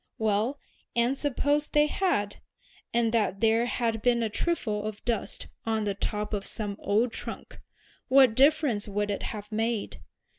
"Well, and suppose they had, and that there had been a trifle of dust on the top of some old trunk, what difference would it have made?